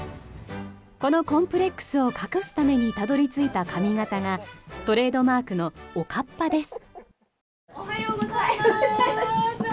このコンプレックスを隠すためにたどり着いた髪型がトレードマークのおかっぱです。